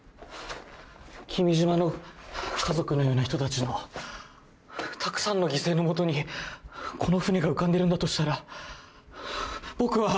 君島の家族のような人たちのたくさんの犠牲のもとにこの船が浮かんでるんだとしたら僕は。